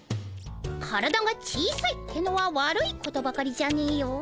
体が小さいってのは悪いことばかりじゃねえよ。